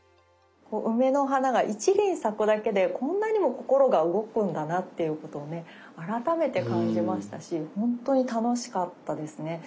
梅の花が一輪咲くだけでこんなにも心が動くんだなっていうことをね改めて感じましたし本当に楽しかったですね。